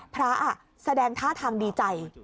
แสดงท่าทางดีใจ